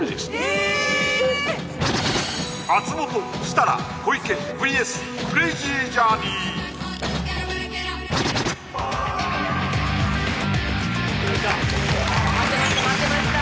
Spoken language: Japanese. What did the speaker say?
ええっ松本設楽小池ＶＳクレイジージャーニーきた待ってました